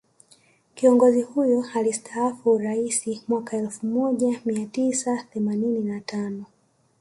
Kiongozi huyo alistaafu Uraisi mwaka elfu moja mia tisa themanini na tano